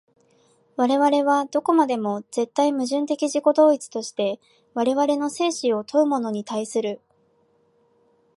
我々はどこまでも絶対矛盾的自己同一として我々の生死を問うものに対する。